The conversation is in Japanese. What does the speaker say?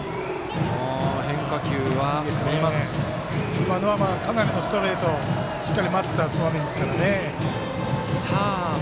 今のは、かなりのストレートしっかり待ってた場面ですからね。